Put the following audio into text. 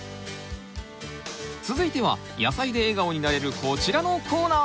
続いては野菜で笑顔になれるこちらのコーナー！